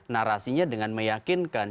narasinya dengan meyakinkan